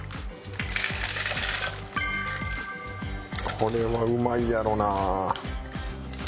これはうまいやろな！